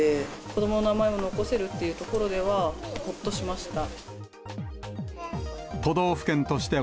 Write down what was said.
子どもの名前を残せるっていうところでは、ほっとしました。